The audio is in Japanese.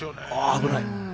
危ない。